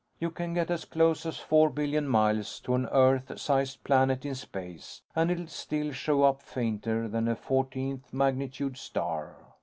You can get as close as four billion miles to an Earth sized planet in space and it'll still show up fainter than a fourteenth magnitude star.